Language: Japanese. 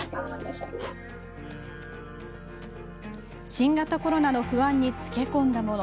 新型コロナの不安につけ込んだもの。